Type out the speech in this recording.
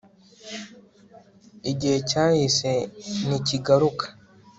igihe cyahise ntikigaruka